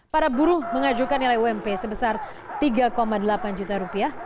para buruh mengajukan nilai ump sebesar tiga delapan juta rupiah